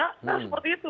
nah seperti itu